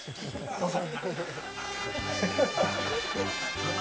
どうぞ。